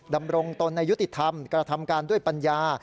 ดำรงตนในยุติธรรมกระทำการด้วยปัญญา